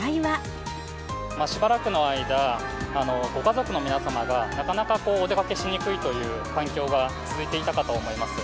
しばらくの間、ご家族の皆様がなかなかお出かけしにくいという環境が続いていたかと思います。